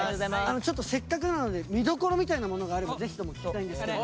ちょっとせっかくなので見どころみたいなものがあればぜひとも聞きたいんですけども。